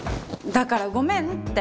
だからごめんって。